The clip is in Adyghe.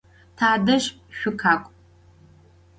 Tadej şsukhak'u!